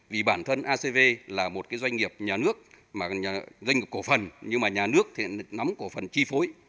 vì bản thân acv là một cái doanh nghiệp nhà nước mà doanh nghiệp cổ phần nhưng mà nhà nước thì nắm cổ phần chi phối